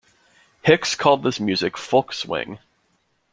Hicks called his music "folk swing".